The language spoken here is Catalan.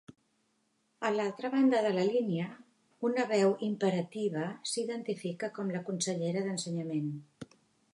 A l'altra banda de la línia una veu imperativa s'identifica com la consellera d'Ensenyament.